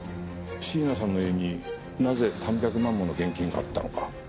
椎名さんの家になぜ３００万もの現金があったのか？